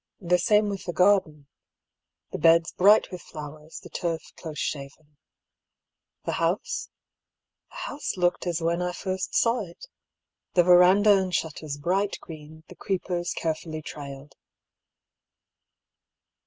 The same with the garden — the beds bright with flowers, the turf close shaven. The house ? The house looked as when I first saw it — the veranda and shutters bright green, the creepers carefully trailed.